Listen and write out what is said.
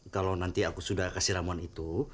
kalau nanti aku sudah kasih ramuan itu